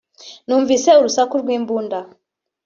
“Numvise urusaku rw’imbunda